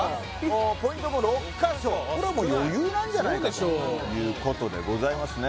ポイントも６カ所これはもう余裕なんじゃないかということでございますね